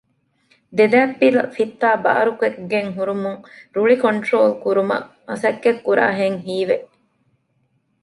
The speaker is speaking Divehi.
ދެދަތްޕިލަ ފިއްތާ ބާރުކޮށްގެން ހުރުމުން ރުޅި ކޮންޓްރޯލް ކުރުމަށް މަސައްކަތް ކުރާހެން ހީވެ